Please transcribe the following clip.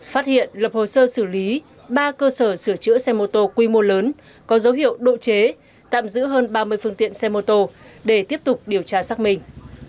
phát hiện lập hồ sơ xử lý ba cơ sở sửa chữa xe mô tô quy mô lớn có dấu hiệu độ chế tạm giữ hơn ba mươi phương tiện xe mô tô để tiếp tục điều tra xác minh